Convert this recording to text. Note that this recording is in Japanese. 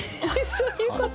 そういうこと？